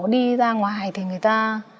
đi ra ngoài thì người ta